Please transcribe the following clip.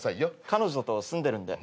彼女と住んでるんで。